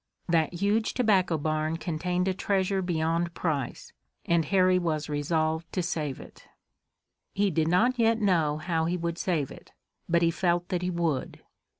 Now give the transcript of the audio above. That huge tobacco barn contained a treasure beyond price, and Harry was resolved to save it. He did not yet know how he would save it, but he felt that he would.